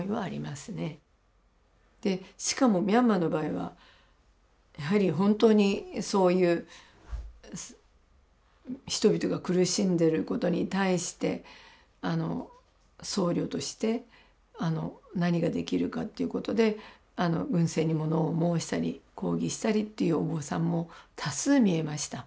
しかもミャンマーの場合はやはり本当にそういう人々が苦しんでることに対して僧侶として何ができるかっていうことで軍政にものを申したり抗議したりっていうお坊さんも多数見えました。